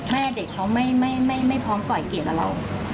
แม่เด็กเขาไม่พร้อมปล่อยเกียรติกับเรา